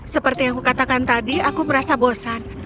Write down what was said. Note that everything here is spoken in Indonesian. seperti yang aku katakan tadi aku merasa bosan